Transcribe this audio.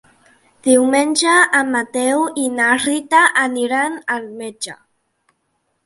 Diumenge en Mateu i na Rita aniran al metge.